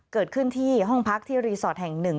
เกิดขึ้นที่ห้องพักที่รีสอร์ทแห่งหนึ่ง